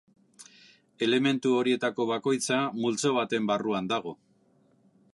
Elementu horietako bakoitza multzo baten barruan dago.